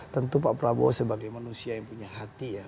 tentu pak prabowo sebagai manusia yang punya hati ya